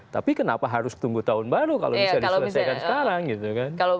tapi kenapa harus tunggu tahun baru kalau bisa diselesaikan sekarang gitu kan